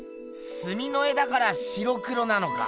すみの絵だから白黒なのか。